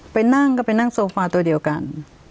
ไปนั่งก็ไปนั่งโซฟาตัวเดียวกัน